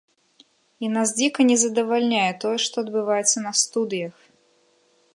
І нас дзіка не задавальняе тое, што адбываецца на студыях.